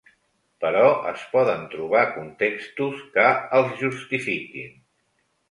Però es poden trobar contextos que els justifiquin.